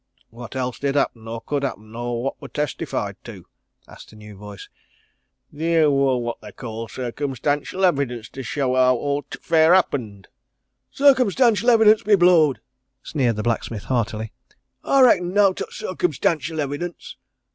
"What else did happen or could happen nor what were testified to?" asked a new voice. "Theer wor what they call circumstantial evidence to show how all t' affair happened!" "Circumstantial evidence be blowed!" sneered the blacksmith heartily. "I reckon nowt o' circumstantial evidence!